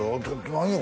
「何や？